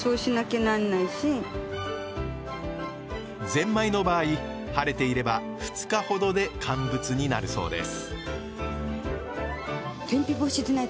ぜんまいの場合晴れていれば２日ほどで乾物になるそうです